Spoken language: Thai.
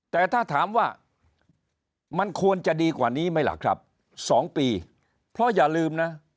แต่ถ้าถามว่ามันควรจะดีกว่านี้ไหมล่ะครับ๒ปีเพราะอย่าลืมนะ